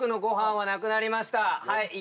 はい。